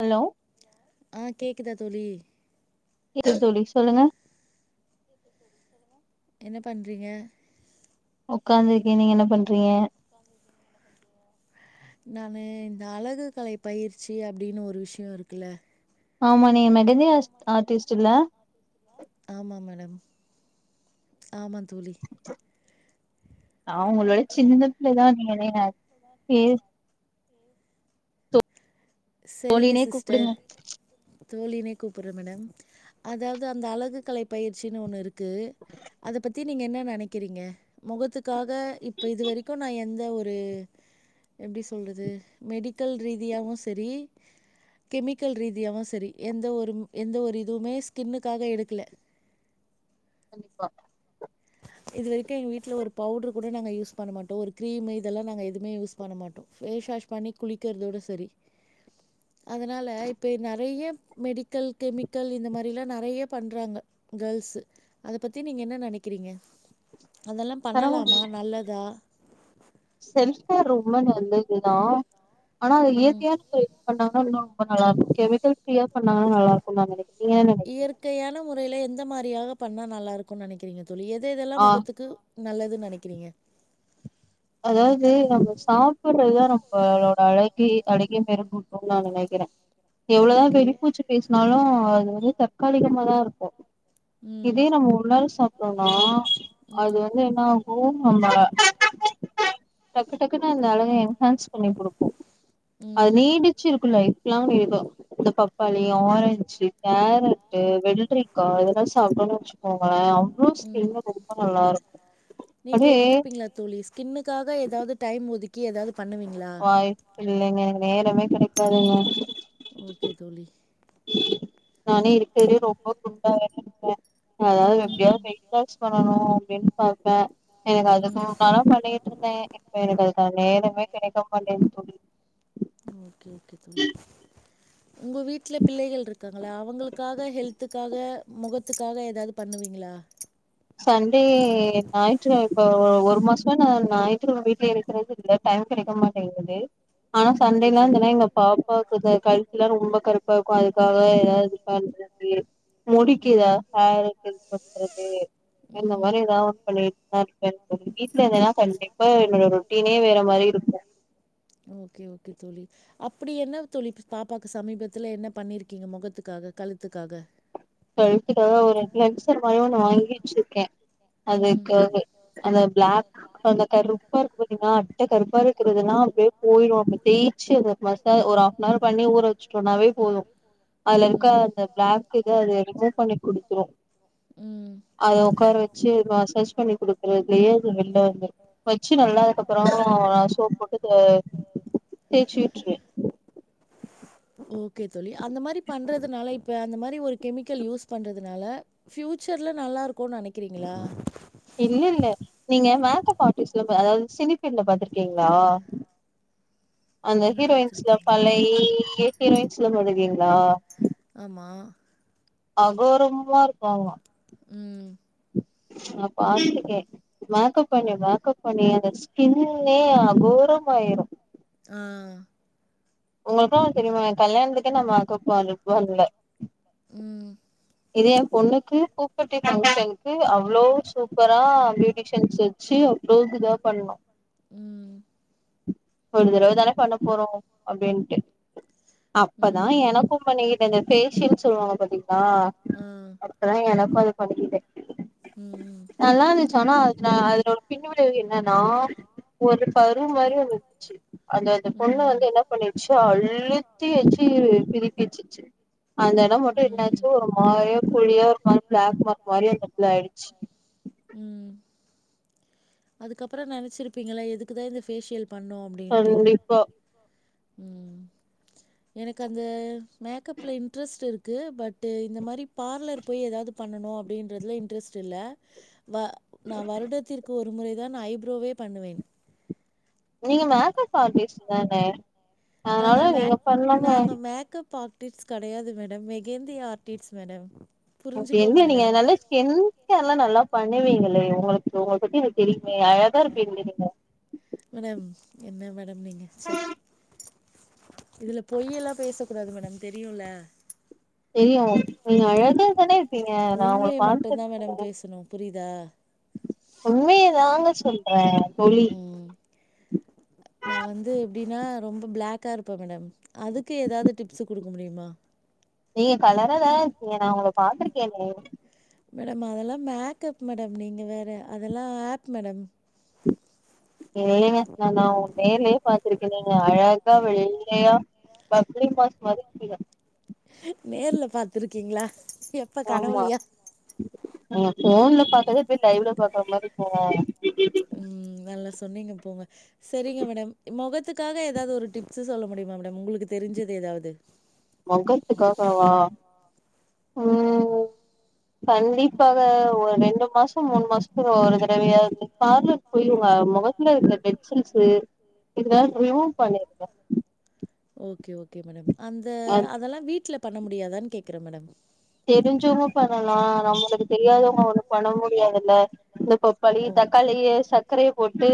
hello ஆ கேக்குதா தோழி கேக்குது தோழி சொல்லுங்க என்ன பண்றீங்க ஒக்காந்துருக்கே நீங்க என்ன பண்றீங்க பாக்றது நானு இந்த அழகு கலை பயிற்சி அப்டின்னு ஒரு விஷ்யோ இருக்குல ஆமா நீ மெகந்தி ஆஸ் ஆர்டிஸ்ட் இல்ல ஆமா மேடம் ஆமாந்தோழி அவுங்களோட சின்னப்புள தா நீ [unintelligible] பேஸ் செரிங்க சிஸ்டர் தோழினே கூப்பர்றே மேடம் அதாவது அந்த அழகு கலை பயிற்சின் ஒன்னுரு து அதை பத்தி நீங்க என்ன நெனைக்க க்கிறீங்க மொகத்துக்காக இப்போ இது வரைக்கு நா எந்த ஒரு எப்டி சொல்றது மெடிக்கல் ரீதியாவு சரி கெமிக்கல் ரீதியாவு சரி எந்த ஒரு எந்த ஒரு இதுவுமே ஸ்கின்னுக்காக எடுக்கல கண்டிப்பா இது வரைக்கு எங்க வீட்ல ஒரு பவுடரு கூட நாங்க யூஸ் பண்ண மாட்டோ ஒரு கிரீம் இதெல்லா நாங்க எதுவுமே யூஸ் பண்ண மாட்டோ ஃபேஸ் வாஷ் பண்ணி குளிக்கிறதோட சரி [unintelligible] அதனால இப்போ நெறைய மெடிக்கல் கெமிக்கல் இந்த மாரிலா நெறைய பண்றாங்க கேர்ள்ஸ்ஸு அத பத்தி நீங்க என்ன நெனைக் கிறீங்க அதெல்லா பண்ணலாமா நல்லதா செல்பா ரொம்ப நல்லதுதா ஆனா அது இயற்கையான என்ன பண்ணாங்கன்னா நல்லா இரு கெமிக்கல் ஃரீயா நல்ல இருக்கு நா நெனைக் இயற்கையான முறையில எந்த மாரியாக பண்ணா நல்லாருக்கு நெனைக்கிறீங்க தோழி எது எதுல்லா முகத்துக்கு நல்லதுன் நெனைக்கிறீங்க அதாவது நம்ம சாப்படுறதுதா நம்மளோட அழைக அழக மெருகூட்டும்னு நா நெனைக்கிறே எவ்வளவுதா வெளிப்பூச்சு பேசினாலு அது வந்து தற்காலிகமாதா இருக்கு இதே நம்ம ஓர் நாள் சாப்ட்டோம்னா அது வந்து என்னாகு ஓம் நமக டக்கு டக்குன்ன அந்த அழக என்ஹான்ஸ் பண்ணி குடுக்கு அது நீடிச்சு இருக்கு லைப் லாங் ஈகோ இந்த பப்பாளி ஆரஞ்சு கேரட்டு் வெள்ளரிக்கா இதெல்லா சாப்ட்டம்ன் வச் ஒங்கள அவ்ளோ ஸ்கின் ரொம்ப நல்லா இருக்கு அடியே ல தோழி ஸ்கின்னுக்காக ஏதாவது டைம் ஒதுக்கி ஏதாவது பண்ணுவீங்களா வாய்ப்பு இல்லைங்க எனக்கு நேரமே கெடைக்காதுங்க ஓகே தோழி நானே இருக்குறலயே ரொம்ப குண்டா வேற இருக்கே அதாவது எப்படியாவது வெயிட் லாஸ் பண்ணனு அப்படின்னு பாப்பே எனக்கு அதுக்கு [unintelligible] பண்ண இருந்தே இப்ப எனக்கு அதுக்கு நேரமே கெடைக்க மாட்டேங் தோழி ஓகே ஓகே தோழி [unintelligible] உங்க வீட்ல பிள்ளைகள் இருக்காங்களா அவங்களுக்காக ஹெல்த்துக்காக முகத்துக்காக ஏதாவது பண்ணுவீங்களா சண்டே ஞாயிற்று இப்ப ஒ ஒரு மாசமா நா ஞாயித்து கெழம வீட்ல இருக்குறது இல்ல டைம் கெடைக்க மாட்டேங்குது ஆனா சண்டேல்லா இருந்தன்னா எங்க பாப்பாவுக்கு கழுத்துலா ரொம்ப கருப்பா இருக்கு அதுக்காக ஏதாவது ப முடிக்குதா ஹேர்க்கு இது பண்றது இந்த மாறி ஏதாவது ஒன்னு பண்ணி வீட்ல இருந்தன்னா கண்டிப்பா என்னோட ரொட்டீனே வேற மாரி இருக்கு ஓகே ஓகே தோழி அப்டி என்ன தோழி பாப்பாக்கு சமீபத்துல என்ன பண்ணிருக்கீங்க முகத்துக்காக கழுத்துக்காக கழுத்துக்காக ஒரு க்ளன்சர் மாரி ஒன்னு வாங்கி வச்சிருக்கே அதுக்காக அது ப்ளாக் ப்ப அந்த கருப்பா இருக்கு பாத்தீங்களா அட்ட கருப்பா இருக்குறதுனா அப்டியே போயிடு அப்டி தேய் சேரி [unintelligible] ஒரு ஹாஃப்ன்னர் பண்ணி ஊற வச்சுட்டோம்னாவே போது அதுல இருக்க அந்த ப்ளாக் து அது ரிமூவ் பண்ணி குடுத்துறு ம் அத உக்கார வச்சு மசாஜ் பண்ணி குடுக்குறதுலயே அது வெள்ல வந்துருது வச்சு நல்லானதுக்கப்புறம் நா சோப் போட்டு தே தேச்சு விட்டுருவே [inaudible] ஓகே தோழி அந்த மாரி பண்றதுனால இப்ப அந்த மாரி ஒரு கெமிக்கல் யூஸ் பண்றதுனால ஃப்யூச்சர்ல நல்லா இருக்கும்னு நெனைக்கிறீங்களா இல்லல்ல நீங்க மேக்கப் ஆர்டிக்ஸ்ல அதாவது சினி ஃபீல்ட்ல பாத்துருக்கீங்களா அந்த ஹீரோயின்ஸ்ல பழைய இ ஹீரோயின்ஸ்லா பாத்துருக்கீங்களா ஆமா அகோரமா இருப்பாங்க ம் நா பாத்துக்கே மேக்கப் பண்ணி மேக்கப் பண்ணி அந்த ஸ்கின்னே அகோரமாயிரு ஆ உங்களுக்குலா ஒன்னு தெரியுமா ஏ கல்யாணத்துக்கே நா மேக்கப் பாதி போட்ல ம் இது ஏ பொண்ணுக்கு பூப்பட்டி ஃபங்க்ஷனுக்கு அவ்ளோ சூப்பரா பியூட்டிஷன்ஸ் [unintelligible] போகுதா பண்லா ம் ஒரு தடவ தானே பண்ண போறோம் அப்டின்ட்டு அப்பதா எனக்கும் பண்ணிக்கிட்ட இந்த பேஷியல்னு சொல்லுவாங்க பாத்தீங்களா ம் அதா எனக்கும் அது பண்ணிக்கிட்டே ம் நல்லாருந்துச்சு ஆனா அதுல அதோட பின்விளைவு என்னன்னா ஒரு பரு மாரி வந்துட்ச்சு அந்த அந்த பொண்ணு வந்து என்ன பண்ணிருச்சு அழுத்தி வச்சு [unintelligible] அந்த எடம் மட்டு என்னாச்சு ஒரு மாரியா குழியா ஒரு மாரி பிளாக் மார்க் மாரி அந்த எடத்துல ஆயிடுச்சு ம் அதுக்கப்புற நெனச்சிருப்பீங்கள எதுக்குதா இந்த ஃபேஷியல் பண்ணோ அப் கண்டிப்பா ம் எனக்கு அந்த மேக்கப்ல இன்ட்ரெஸ்ட் இருக்கு பட்டு இந்த மாரி பார்லர் போய் ஏதாவது பண்ணணு அப்டின்றதுல இன்ட்ரெஸ்ட் இல்ல வ நா வருடத்திற்கு ஒரு முறை தா நா ஐப்ரோவே பண்ணுவேன் நீங்க மேக்கப் ஆர்டிஸ்ட் தான நாங்க மேக் நாங்க மேக்கப் பாக் டிப்ஸ் கிடையாது மேடம் மெஹந்தி ஆர்டிஸ் மேடம் அப்டி இல்ல நீங்க ஏதாது கன் கேர்லா நல்லா பண்ணுவீங்களே உங்களுக்கு உங்கள பத்தி எனக்கு தெரியுமே அய ழகா இருப்பீங்க நீங்க மேடம் என்ன மேடம் நீங்க சே இதுல பொய் எல்லா பேசக் கூடாது மேடம் தெரியும்ல தெரியு நீங்க அழகா இருக்கறதே நீங்க நா உங்களுக்கு [inaudible] உண்மைய தாங்க சொல்ற தோழி நா வந்து எப்டின்னா ரொம்ப பிளாக்கா இருப்ப மேடம் அதுக்கு ஏதாவது டிப்ஸ் குடு குடுக்க முடியுமா நீங்க கலராதான ஏனா நா உங்கள பாத்துருக்கனே மேடம் அதெல்லாம் மேக்கப் மேடம் நீங்க வேற அதெல்லாம் ஆக்ட் மேடம் ஏங்க நா உங்கள நேர்லே பாத்துருக்கேங்க நீங்க அழகா வெள்ளையா பப்லி மாஸ் மாதிரி இருக்கீங்க நேர்ல பாத்துருக்கீங்களா எப் ஆமா ஆ போன்ல பாத்ததே அப்படியே லைவ்ல பாக்குற மாறி இருக்கும்ல உம் நல்லா சொன்னீங்க போங்க சரிங்க மேடம் மொகத்துக்காக ஏதாவது ஒரு டிப்ஸ்ஸு சொல்ல முடியுமா மேடம் உங்களுக்கு தெரிஞ்சது ஏதாவது மொகத்துக்காகவா உம் கண்டிப்பாங்க ஒரு ரெண்டு மாசம் மூணு மாசத்துக்கு ஒரு தடவயாது பார்லர் போயிருவ மொகத்துல இருக்குற டெட் ஷெல்ஸு இதல்லாம் ரிமூவ் பண்ணிருவ ஓகே ஓகே மேடம் அந்த அதெல்லாம் வீட்ல பண்ண முடியாதான்னு கேக்குற மேடம் தெரிஞ்சவுங்க பண்ணலாம் நம்மளுக்கு தெரியாதவுங்க ஒண்ணும் பண்ண முடியாதுல்ல இந்த பப்பாளி தக்காளிய சக்கரைய போட்டு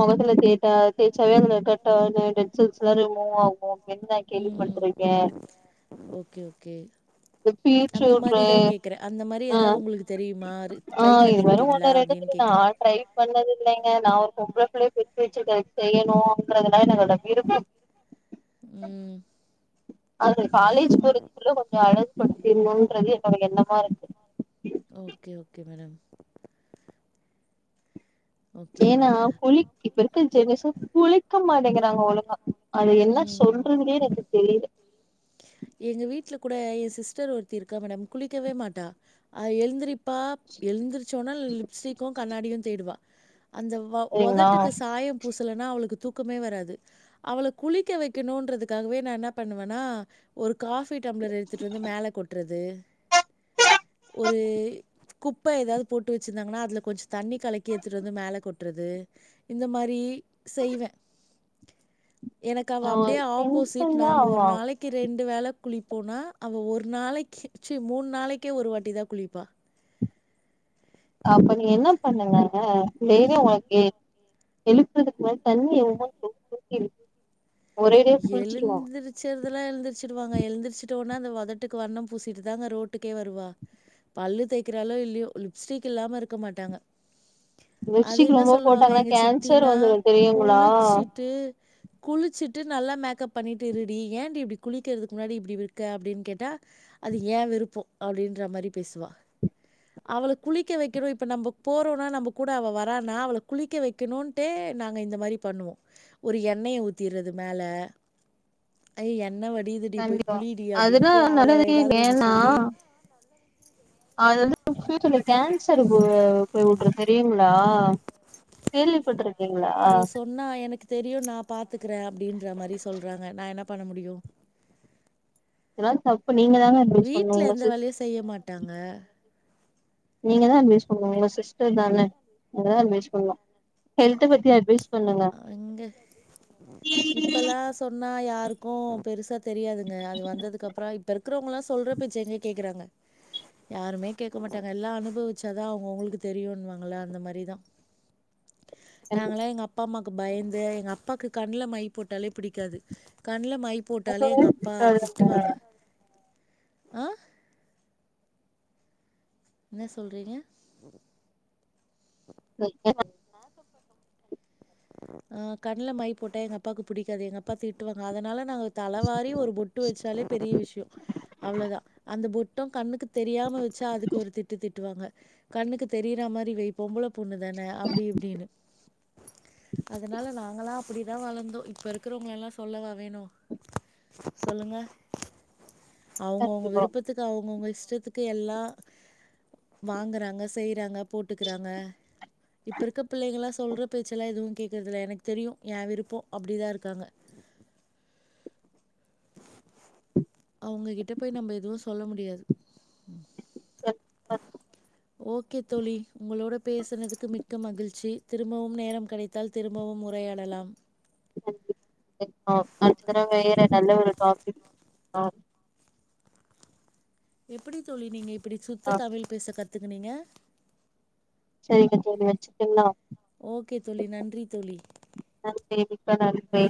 மொகத்துல தேச்சா தேச்சாவே அதுல கட் [unintelligible] ஷெல்ஸ் எல்லாம் ரிமூவ் ஆகும் அப்படின்னு நா கேள்விப்பட்டுருக்கே ஓகே ஓகே அந்த மாரிதா கேக்குற அந்த மாரி ஏதாவது உங்களுக்கு தெரியுமா ட்ரை பண்ணியிருக்கீங்களா ஆல்ரைட் பண்ணது இல்லைங்க நா ஒரு பொம்பள பிள்ளய பெத்து வச்சுருக்கே செய்யணுங்கறதுல்லாம் என்னோட விருப்பம் அது காலேஜ் போறதுக்குள்ள கொஞ்சம் அரேஞ் பண்ண திருவோன்றது என்னோட என்னமா இருக்கு ஓகே ஓகே மேடம் ஏன்னா குளிக் இப்ப இருக்கற ஜென்றேசன் குளிக்க மாட்டேங்கிறாங்க ஒழுங்கா அது எல்லாம் சொல் லறதுக்கே எனக்கு தெரியல எங்க வீட்டுல கூட என் சிஸ்டர் ஒருத்தி இருக்கா மேடம் குளிக்கவே மாட்டா அவ எழுந்திரி ப்பா எழுந்திருச்ச உடனே லிப்ஸ்டிக்கும் கண்ணாடியும் தேடுவா அந்த உதட்டுக்கு சாயம் பூசலன்னா அவளுக்கு தூக்கமே வராது அவள குளிக்க வைக்கணும்ன்றதுக்காகவே நா என்ன பண்ணுவன்னா ஒரு காஃபி டம்ளர எடுத்துட்டு வந்து மேல கொட்றது ஒரு குப்ப ஏதாவது போட்டு வச்சிருந்தாங்கன்னா அதுல கொஞ்சம் தண்ணி கலக்கி எடுத்துட்டு வந்து மேல கொட்டுறது இந்த மாரி செய்வ எனக்கு அவ அப்டியே ஆப்போசிட் நாங்க ஒரு நாளைக்கு ரெண்டு வேள குளிப்போனா அவ ஒரு நாளைக்கு சி மூணு நாளைக்கே ஒரு வாட்டி தா குளிப்பா அப்ப நீங்க என்ன பண்ணுங்கன்னா டெய்லி உனக்கு எழுப்புறதுக்கு முன்னாடி தண்ணிய [unintelligible] எழுந்துருச் சிறதுல்லா எழுந்திரிச்சிடுவாங்க எழுந்திருச்சுட்ட உடனே அந்த உதட்டுக்கு வண்ணம் பூசிட்டு தாங்க ரோட்டுக்கே வருவா பல்லு தேய்க்கிறாலோ இல்லயோ லிப்ஸ்டிக் இல்லாம இருக்க மாட்டாங்க அது என்ன சொல்லுவாங்க எங்க சித்தினா குளிச்சுட்டு குளிச்சிட்டு நல்லா மேக்கப் பண்ணிட்டு இருடி ஏன்டி இப்டி குளிக்கிறதுக்கு முன்னாடி இப்டி இருக்க அப்டின் கேட்டா அது ஏன் விருப்போ அப்டின்ற மாரி பேசுவா அவள குளிக்க வைக்கணு இப்ப நம்ப போறோனா நம்ம கூட அவ வரானா அவள குளிக்க வைக்கணூன் டே நாங்க இந்த மாரி பண்ணுவோ ஒரு எண்ணெய ஊத்தீறது மேல ஐ என்ன வட் டியிதுடி போய் குளிடி அப்டின்ட்டு அவள எதாவது ஒண்ணு சொல்லி அதுவந்து ஃப்யூச்சர்ல கேன்சரு போ போய் உட்ரு தெரியுங்க ளா கேள்விப்பட்ருக்கீங்ளா இன்னா எனக்கு தெரியு நா பாத்துக்குறே அப்டின்ற மாரி சொல்றாங்க நா என்ன பண்ண முடியு இதலா தப்பு நீங்க தாங்க அட்வைஸ் பண்ணணு உங்க சிஸ் நீங்கதா அட்வைஸ் பண்ணணு உங்க சிஸ்டர் தானே அங்கதா அட்வைஸ் பண்ணணு ஹெல்த்த பத்தி அட்வைஸ் பண்ணுங் அங்க இப்பலா சொன்னா யாருக்கு பெருசா தெரியாதுங்க அது வந்ததுக்கப்றாக் இப்ப இருக்குறவங்களா சொல்ற பேச்ச எங்க கேக்குறாங்க யாருமே கேட்க மாட்டாங்க எல்லா அனுபவிச்சாதா அவங்கவங்களுக்கு தெரியுன்வாங்கள அந்த மாரிதா நாங்களா எங்கப் பாம்மாக்கு பயந்து எங்க அப்பாக்கு கண்ல மை போட்டாலே பிடிக்காது கண்ல மை போட்டாலே எங்க அப்பா திட்டுவாங்க ஆ என்ன சொல்றீங்க ச [unintelligible] ஆங்கப்பூ ஆ கண்ல மை போட்டா எங்கப்பாக்கு புடிக்காது எங்கப்பா திட்டுவாங்க அதனால நாங்க தலவாரி ஒரு பொட்டு வச்சாலே பெரிய விஷயோ அவ்வளோதா அந்த பொட் டு கண்ணுக்கு தெரியாம வச்சா அதுக்கு ஒரு திட்டு திட்டுவாங்க கண்ணுக்கு தெரியிற மாரி வை பொம்பள பொண்ணு தானே அப்டீ இப்டீனு அதுனால நாங்களா அப்பிடிதா வளந்தோ இப்ப இருக்குறவங்க எல்லா சொல்லவா வேணு சொல்லுங்க அவங்கொவங்க விருப்பத்துக்கு அவங்கவங்க இஷ்டத்துக்கு எல்லா வாங்குறாங்க செய்றாங்க போட்டுக்குறாங்க இப்ப இருக்க பிள்ளைங்களா சொல்ற பேச்செல்லா எதுவு கேக்குறதில்ல எனக்கு தெரியு ஏ விருப்போ அப்டிதா இருக்காங்க அவங்க கிட்ட போய் நம்ம எதுவு சொல்ல முடியாது [unintelligible] ஓகே தோழி உங்களோட பேசுனதுக்கு மிக்க மகிழ்ச்சி திரும்பவும் நேரம் கெடைத் தால் திரும்பவும் உரையாடலாம் [unintelligible] அடுத்த தடவ வேற நல்ல ஒரு டாபிக் எப்பிடி தோழி நீங்க இப்பிடி சுத்த தமிழ் பேச கத்துக்குனீங்க செரிங்க தோழி வச்சிட்டுங்ளா ஓகே தோழி நன்றி தோழி நன்றி மிக்க நன்றி